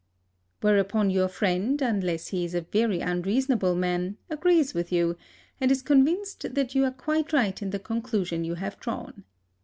Whereupon, your friend, unless he is a very unreasonable man, agrees with you, and is convinced that you are quite right in the conclusion you have drawn.